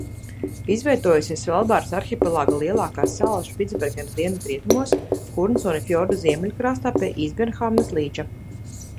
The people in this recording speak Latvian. Izvietojusies Svalbāras arhipelāga lielākās salas Špicbergenas dienvidrietumos Hūrnsunna fjorda ziemeļu krastā pie Īsbjērnhamnas līča.